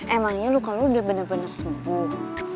emangnya lu kalau udah bener bener sembuh